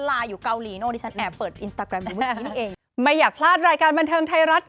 ตอนนี้สาวทัพทีมก็ไปลัดลาอยู่เกาหลีเนอะ